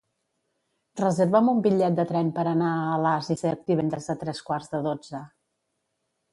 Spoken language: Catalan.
Reserva'm un bitllet de tren per anar a Alàs i Cerc divendres a tres quarts de dotze.